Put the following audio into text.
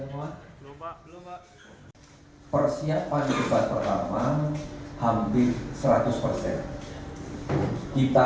belum pak belum pak